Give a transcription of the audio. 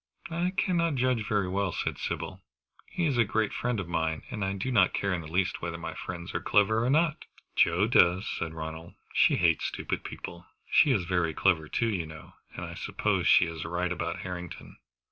"I cannot judge very well," said Sybil. "He is a great friend of mine, and I do not care in the least whether my friends are clever or not." "Joe does," said Ronald. "She hates stupid people. She is very clever too, you know, and so I suppose she is right about Harrington."